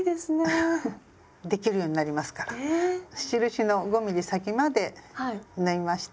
印の５ｍｍ先まで縫いました。